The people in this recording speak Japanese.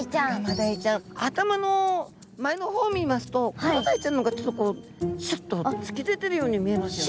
頭の前の方見ますとクロダイちゃんの方がちょっとこうシュッと突き出てるように見えますよね。